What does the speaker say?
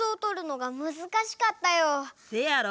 せやろ！